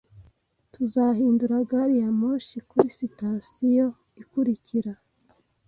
Tuzahindura gari ya moshi kuri sitasiyo ikurikira